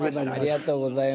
ありがとうございます。